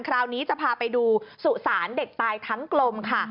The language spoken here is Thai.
คราวนี้จะพาไปดูสุสานเด็กตายทั้งกลมค่ะ